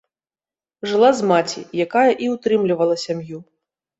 Жыла з маці, якая і ўтрымлівала сям'ю.